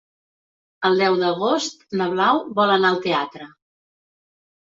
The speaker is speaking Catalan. El deu d'agost na Blau vol anar al teatre.